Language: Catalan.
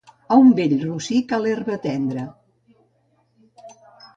A un vell rossí, cal herba tendra.